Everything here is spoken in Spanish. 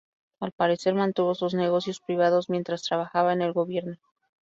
Al parecer mantuvo sus negocios privados mientras trabajaba en el Gobierno.